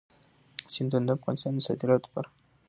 سیندونه د افغانستان د صادراتو برخه ده.